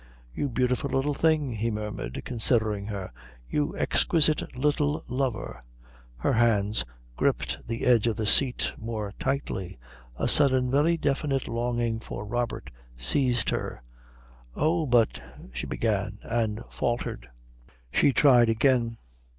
"You beautiful little thing," he murmured, considering her. "You exquisite little lover." Her hands gripped the edge of the seat more tightly. A sudden very definite longing for Robert seized her. "Oh, but " she began, and faltered. She tried again.